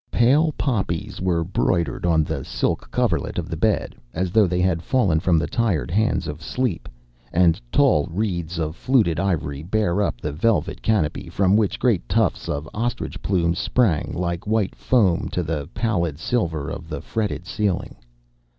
Pale poppies were broidered on the silk coverlet of the bed, as though they had fallen from the tired hands of sleep, and tall reeds of fluted ivory bare up the velvet canopy, from which great tufts of ostrich plumes sprang, like white foam, to the pallid silver of the fretted ceiling.